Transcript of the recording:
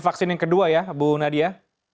vaksin yang kedua ya bu nadia